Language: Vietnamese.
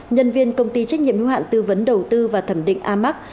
nhân viên công ty trách nhiệm hữu hạn tư vấn đầu tư và thẩm định amac